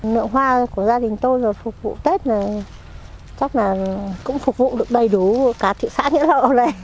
nượng hoa của gia đình tôi phục vụ tết chắc là cũng phục vụ được đầy đủ cả thị xã nghĩa lộ